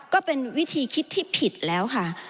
ก็เป็นวิธีคิดที่ผิดแล้วค่ะ